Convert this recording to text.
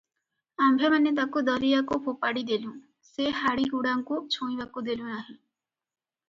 ଆମ୍ଭେମାନେ ତାକୁ ଦରିଆକୁ ଫୋପାଡ଼ିଦେଲୁଁ, ସେ ହାଡ଼ିଗୁଡ଼ାଙ୍କୁ ଛୁଇଁବାକୁ ଦେଲୁନାହିଁ ।